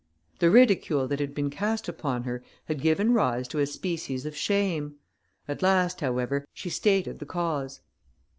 The ridicule that had been cast upon her had given rise to a species of shame. At last, however, she stated the cause.